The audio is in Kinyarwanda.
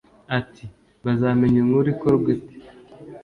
Ati “Bazamenya inkuru ikorwa ite